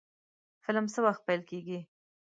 فلم څه وخت پیل کیږي؟